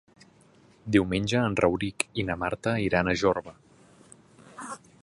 Diumenge en Rauric i na Marta iran a Jorba.